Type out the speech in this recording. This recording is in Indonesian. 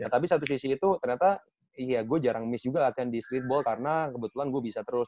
tapi satu sisi itu ternyata ya gue jarang miss juga latihan di streetball karena kebetulan gue bisa terus